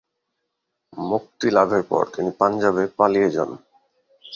মুক্তি লাভের পর তিনি পাঞ্জাবে পালিয়ে যান।